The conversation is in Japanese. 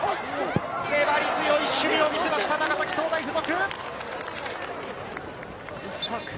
粘り強い守備を見せました長崎総大附属。